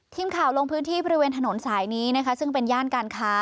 ทีมข่าวลงพื้นที่บริเวณถนนสายนี้นะคะซึ่งเป็นย่านการค้า